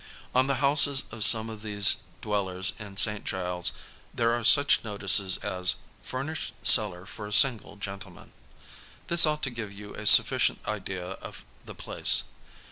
On the houses of some of these dwellers in St. Giles there are such notices as ^^ Furnished cellar for a single gentleman." This ought to give you a sufficient idea of die place.